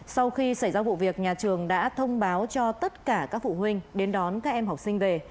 sau khi xảy ra vụ việc nhà trường đã thông báo cho tất cả các phụ huynh đến đón các em học sinh về